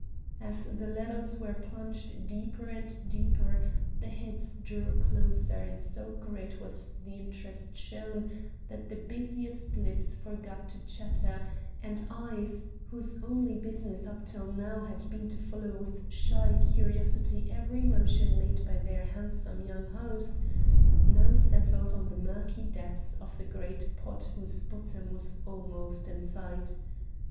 As the ladles were plunged deeper and deeper, the heads drew closer and so great was the interest shown, that the busiest lips forgot to chatter, and eyes, whose only business up till now had been to follow with shy curiosity every motion made by their handsome young host, now settled on the murky depths of the great pot whose bottom was almost in sight.